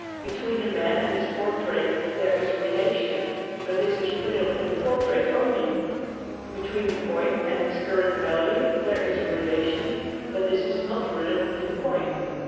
Between a man and his portrait there is a relation, but this is real in the portrait only. Between the coin and its current value there is a relation, but this is not real in the coin.